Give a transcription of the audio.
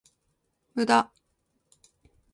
無駄